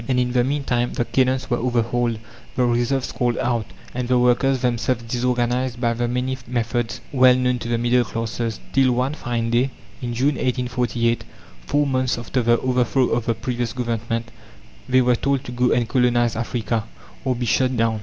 And in the meantime the cannons were overhauled, the reserves called out, and the workers themselves disorganized by the many methods well known to the middle classes, till one fine day, in June, 1848, four months after the overthrow of the previous Government, they were told to go and colonize Africa, or be shot down.